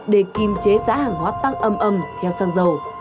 để kiềm chế giá hàng hóa tăng âm âm theo xăng dầu